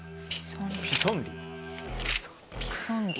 ピソンリ。